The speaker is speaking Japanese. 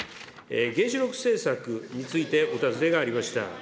原子力政策についてお尋ねがありました。